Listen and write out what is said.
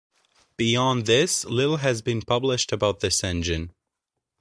Beyond this, little has been published about this engine.